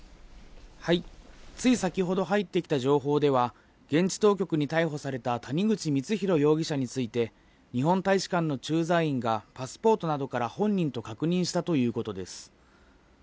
つい先ほど入ってきた情報では、現地当局に逮捕された谷口光弘容疑者について、日本大使館の駐在員が、パスポートなどから本人と確認したということです。